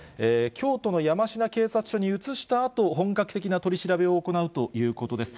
京都の山科警察署に移したあと、本格的な取り調べを行うということです。